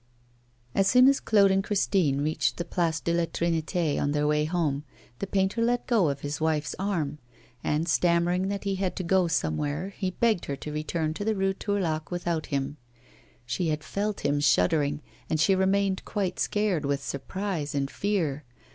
As soon as Claude and Christine reached the Place de la Trinite on their way home, the painter let go of his wife's arm; and, stammering that he had to go somewhere, he begged her to return to the Rue Tourlaque without him. She had felt him shuddering, and she remained quite scared with surprise and fear.